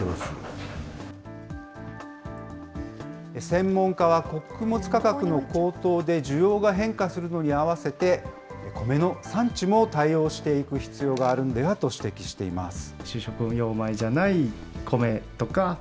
専門家は、穀物価格の高騰で、需要が変化するのに合わせて、コメの産地も対応していく必要があるのではと指摘しています。